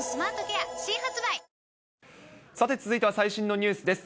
さて続いては最新のニュースです。